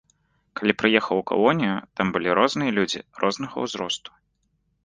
Калі прыехаў у калонію, там былі розныя людзі, рознага ўзросту.